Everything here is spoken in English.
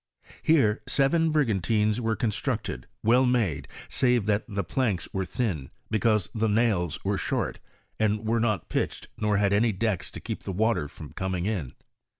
Here " seven brigantines were constructed, well made, save that the planks were thin, be cause the nails were short, and were not pitched, nor had any decks to keep the water from coming in.